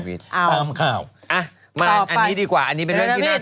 อ้าวตามข่าวอ่ะมาไม่อันนี้ดีกว่าอันนี้น่าสนใจมากมากเลย